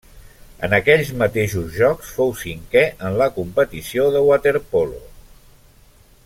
En aquells mateixos Jocs fou cinquè en la competició de waterpolo.